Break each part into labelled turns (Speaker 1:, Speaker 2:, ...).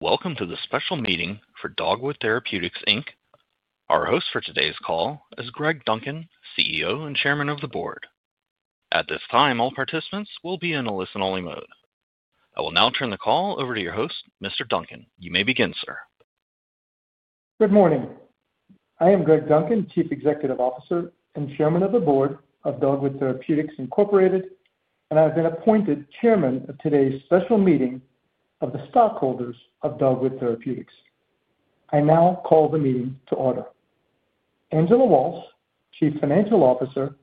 Speaker 1: Welcome to the special meeting for Dogwood Therapeutics. Our host for today's call is Greg Duncan, CEO and Chairman of the Board. At this time, all participants will be in a listen-only mode. I will now turn the call over to your host, Mr. Duncan. You may begin, sir.
Speaker 2: Good morning. I am Greg Duncan, Chief Executive Officer and Chairman of the Board of Dogwood Therapeutics, and I've been appointed Chairman of today's special meeting of the stockholders of Dogwood Therapeutics. I now call the meeting to order. Angela Walsh, Chief Financial Officer,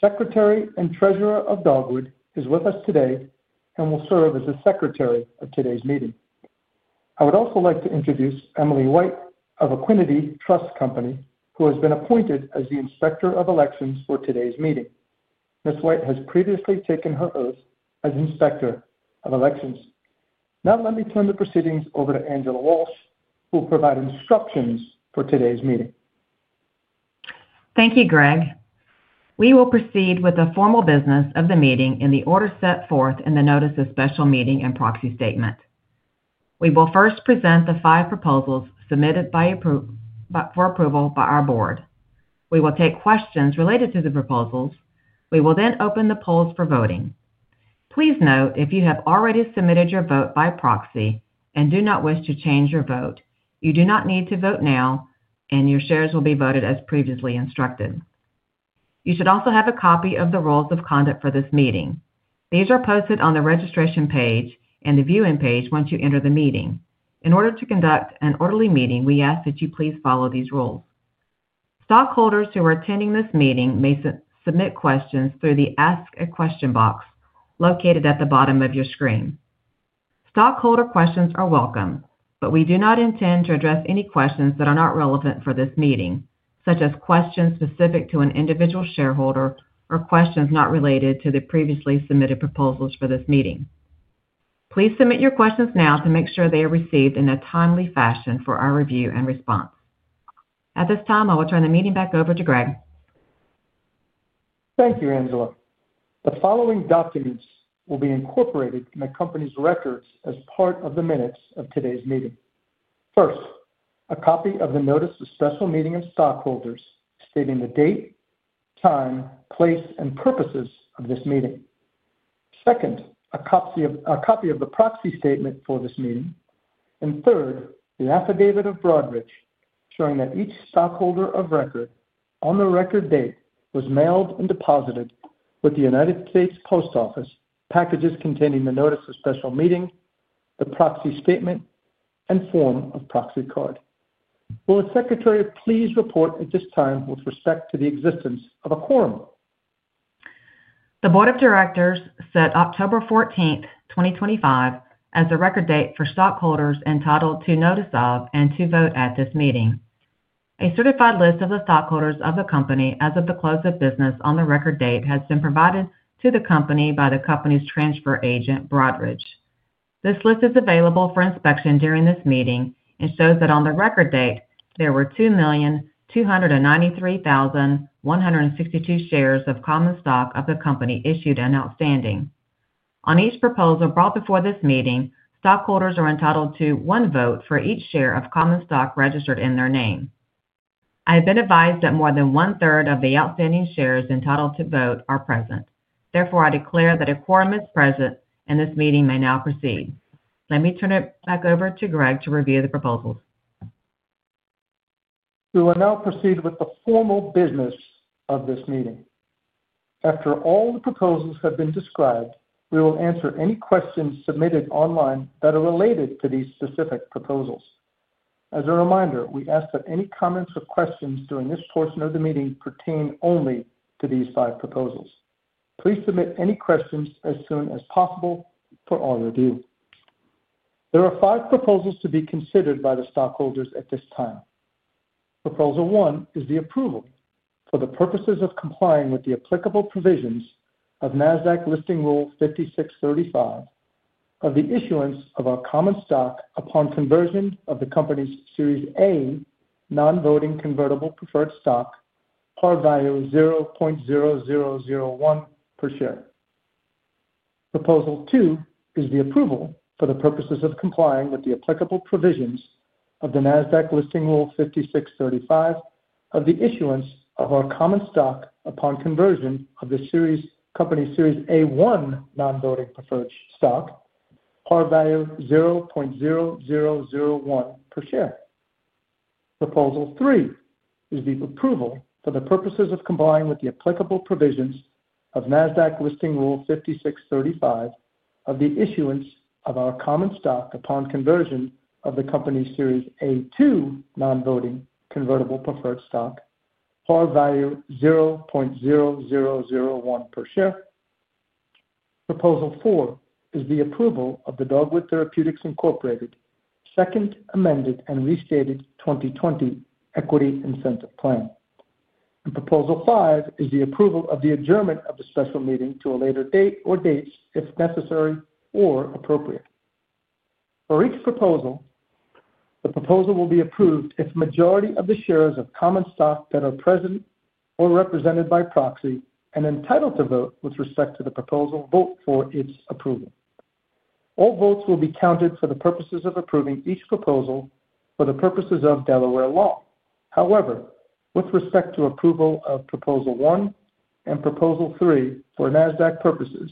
Speaker 2: Secretary and Treasurer of Dogwood, is with us today and will serve as the Secretary of today's meeting. I would also like to introduce Emily White of Equity Trust Company, who has been appointed as the Inspector of Elections for today's meeting. Ms. White has previously taken her oath as Inspector of Elections. Now, let me turn the proceedings over to Angela Walsh, who will provide instructions for today's meeting.
Speaker 3: Thank you, Greg. We will proceed with the formal business of the meeting in the order set forth in the Notice of Special Meeting and Proxy Statement. We will first present the five proposals submitted for approval by our board. We will take questions related to the proposals. We will then open the polls for voting. Please note, if you have already submitted your vote by proxy and do not wish to change your vote, you do not need to vote now, and your shares will be voted as previously instructed. You should also have a copy of the rules of conduct for this meeting. These are posted on the registration page and the viewing page once you enter the meeting. In order to conduct an orderly meeting, we ask that you please follow these rules. Stockholders who are attending this meeting may submit questions through the Ask a Question box located at the bottom of your screen. Stockholder questions are welcome, but we do not intend to address any questions that are not relevant for this meeting, such as questions specific to an individual shareholder or questions not related to the previously submitted proposals for this meeting. Please submit your questions now to make sure they are received in a timely fashion for our review and response. At this time, I will turn the meeting back over to Greg.
Speaker 2: Thank you, Angela. The following documents will be incorporated in the company's records as part of the minutes of today's meeting. First, a copy of the Notice of Special Meeting of Stockholders stating the date, time, place, and purposes of this meeting. Second, a copy of the Proxy Statement for this meeting. Third, the Affidavit of Broadridge, showing that each stockholder of record on the record date was mailed and deposited with the United States Post Office packages containing the Notice of Special Meeting, the Proxy Statement, and form of proxy card. Will the Secretary please report at this time with respect to the existence of a quorum?
Speaker 3: The Board of Directors set October 14th, 2025, as the record date for stockholders entitled to notice of and to vote at this meeting. A certified list of the stockholders of the company as of the close of business on the record date has been provided to the company by the company's transfer agent, Broadridge. This list is available for inspection during this meeting and shows that on the record date, there were 2,293,162 shares of common stock of the company issued and outstanding. On each proposal brought before this meeting, stockholders are entitled to one vote for each share of common stock registered in their name. I have been advised that more than one-third of the outstanding shares entitled to vote are present. Therefore, I declare that a quorum is present, and this meeting may now proceed. Let me turn it back over to Greg to review the proposals.
Speaker 2: We will now proceed with the formal business of this meeting. After all the proposals have been described, we will answer any questions submitted online that are related to these specific proposals. As a reminder, we ask that any comments or questions during this portion of the meeting pertain only to these five proposals. Please submit any questions as soon as possible for our review. There are five proposals to be considered by the stockholders at this time. Proposal one is the approval for the purposes of complying with the applicable provisions of NASDAQ Listing Rule 5635 of the issuance of a common stock upon conversion of the company's Series A non-voting convertible preferred stock, par value $0.0001 per share. Proposal two is the approval for the purposes of complying with the applicable provisions of the NASDAQ Listing Rule 5635 of the issuance of a common stock upon conversion of the company's Series A1 non-voting preferred stock, par value $0.0001 per share. Proposal three is the approval for the purposes of complying with the applicable provisions of NASDAQ Listing Rule 5635 of the issuance of a common stock upon conversion of the company's Series A2 non-voting convertible preferred stock, par value $0.0001 per share. Proposal four is the approval of the Dogwood Therapeutics Second Amended and Restated 2020 Equity Incentive Plan. Proposal five is the approval of the adjournment of the special meeting to a later date or dates if necessary or appropriate. For each proposal, the proposal will be approved if the majority of the shares of common stock that are present or represented by proxy and entitled to vote with respect to the proposal vote for its approval. All votes will be counted for the purposes of approving each proposal for the purposes of Delaware law. However, with respect to approval of Proposal One and Proposal Three for NASDAQ purposes,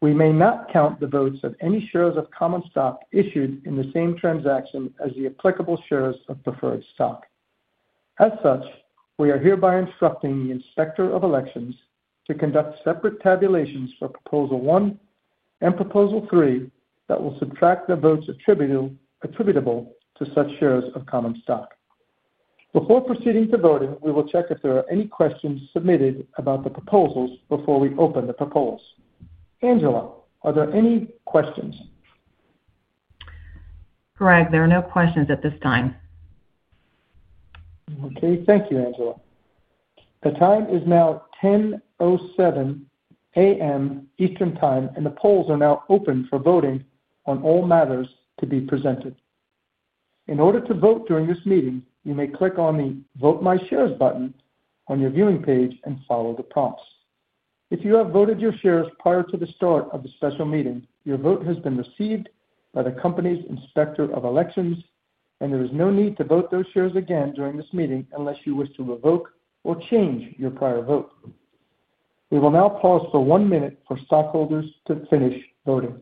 Speaker 2: we may not count the votes of any shares of common stock issued in the same transaction as the applicable shares of preferred stock. As such, we are hereby instructing the Inspector of Elections to conduct separate tabulations for Proposal One and Proposal Three that will subtract the votes attributable to such shares of common stock. Before proceeding to voting, we will check if there are any questions submitted about the proposals before we open the proposals. Angela, are there any questions?
Speaker 3: Greg, there are no questions at this time.
Speaker 2: Okay. Thank you, Angela. The time is now 10:07 A.M. Eastern Time, and the polls are now open for voting on all matters to be presented. In order to vote during this meeting, you may click on the Vote My Shares button on your viewing page and follow the prompts. If you have voted your shares prior to the start of the special meeting, your vote has been received by the company's Inspector of Elections, and there is no need to vote those shares again during this meeting unless you wish to revoke or change your prior vote. We will now pause for one minute for stockholders to finish voting.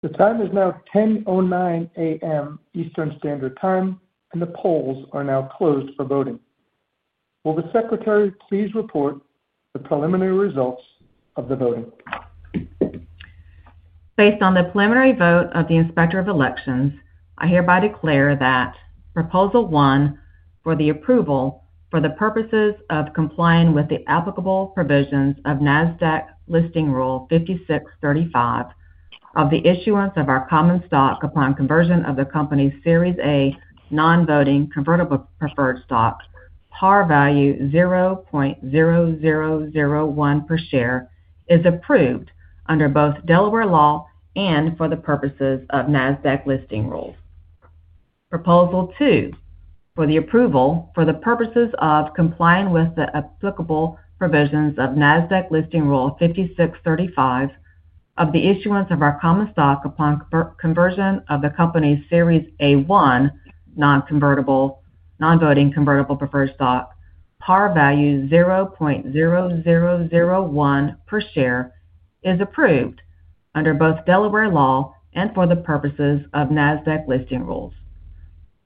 Speaker 2: The time is now 10:09 A.M. Eastern Standard Time, and the polls are now closed for voting. Will the Secretary please report the preliminary results of the voting?
Speaker 3: Based on the preliminary vote of the Inspector of Elections, I hereby declare that Proposal One for the approval for the purposes of complying with the applicable provisions of NASDAQ Listing Rule 5635 of the issuance of a common stock upon conversion of the company's Series A non-voting convertible preferred stock, par value $0.0001 per share, is approved under both Delaware law and for the purposes of NASDAQ Listing Rules. Proposal Two for the approval for the purposes of complying with the applicable provisions of NASDAQ Listing Rule 5635 of the issuance of a common stock upon conversion of the company's Series A1 non-voting convertible preferred stock, par value $0.0001 per share, is approved under both Delaware law and for the purposes of NASDAQ Listing Rules.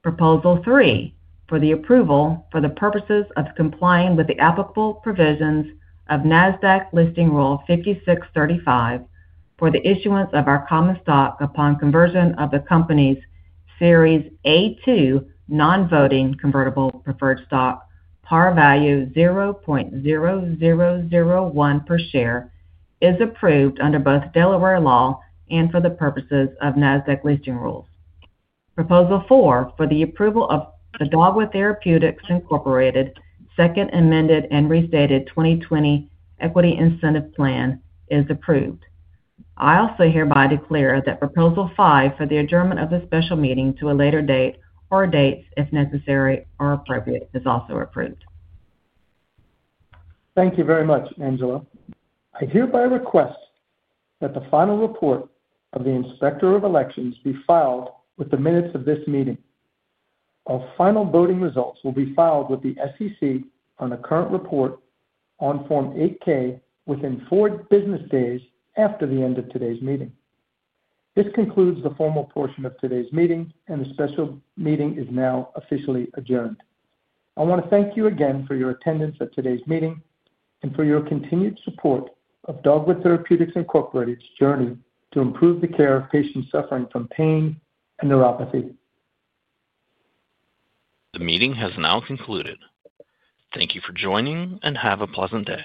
Speaker 3: Proposal Three for the approval for the purposes of complying with the applicable provisions of NASDAQ Listing Rule 5635 for the issuance of a common stock upon conversion of the company's Series A2 non-voting convertible preferred stock, par value $0.0001 per share, is approved under both Delaware law and for the purposes of NASDAQ Listing Rules. Proposal Four for the approval of the Dogwood Therapeutics Second Amended and Restated 2020 Equity Incentive Plan is approved. I also hereby declare that Proposal Five for the adjournment of the special meeting to a later date or dates if necessary or appropriate is also approved.
Speaker 2: Thank you very much, Angela. I hereby request that the final report of the Inspector of Elections be filed with the minutes of this meeting. Our final voting results will be filed with the SEC on the current report on Form 8K within four business days after the end of today's meeting. This concludes the formal portion of today's meeting, and the special meeting is now officially adjourned. I want to thank you again for your attendance at today's meeting and for your continued support of Dogwood Therapeutics' journey to improve the care of patients suffering from pain and neuropathy.
Speaker 1: The meeting has now concluded. Thank you for joining, and have a pleasant day.